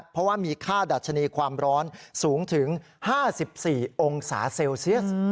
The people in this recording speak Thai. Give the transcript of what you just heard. เพราะว่ามีค่าดัชนีความร้อนสูงถึง๕๔องศาเซลเซียส